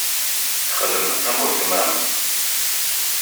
Xdem am uletma-m.